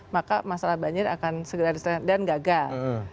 maka masalah banjir akan segera diselesaikan dan gagal